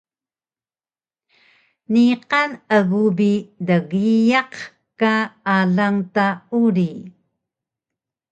Niqan egu bi dgiyaq ka alang ta uri